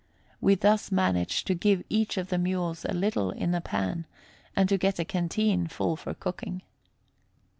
We thus managed to give each of the mules a little in a pan, and to get a canteen full for cooking.